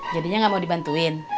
jadinya gak mau dibantuin